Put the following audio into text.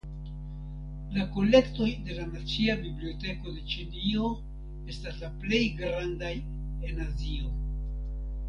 La kolektoj de la nacia biblioteko de Ĉinio estas la plej grandaj en Azio.